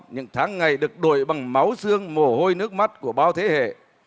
những tháng ngày được đổi bằng máu xương mồ hôi nước mắt của bao thế hệ